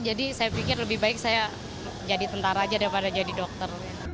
jadi saya pikir lebih baik saya jadi tentara saja daripada jadi dokter